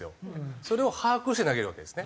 それを把握して投げるわけですね。